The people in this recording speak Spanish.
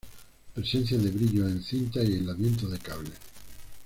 Presencia de brillos en cintas y aislamientos de cables.